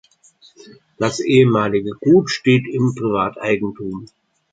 Das ehemalige Gut steht im Privateigentum.